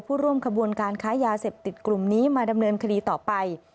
ร่วมขบวนการค้ายาเสพติดกลุ่มนี้มาดำเนินคดีต่อไป